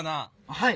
はい。